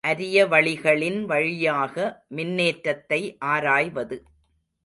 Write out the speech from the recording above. அரிய வளிகளின் வழியாக மின்னேற்றத்தை ஆராய்வது.